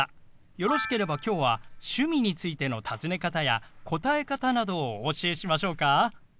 よろしければきょうは趣味についての尋ね方や答え方などをお教えしましょうか？